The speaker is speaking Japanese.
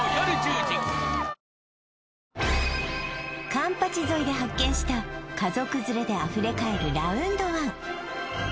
環八沿いで発見した家族連れであふれかえるラウンドワン